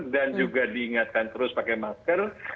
dan juga diingatkan terus pakai masker